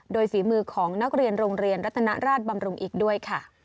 โดยฝีมือของนักเรียนโรงเรียนรัฐนาราชบำรุงอีกด้วยค่ะ